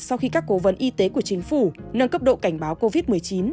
sau khi các cố vấn y tế của chính phủ nâng cấp độ cảnh báo covid một mươi chín